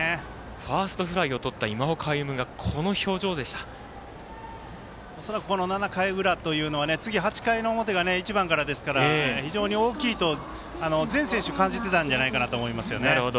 ファーストフライでとった今岡歩夢が７回の裏は次、８回の表が１番からですから非常に大きいと全選手感じてたんじゃないかと思いますね。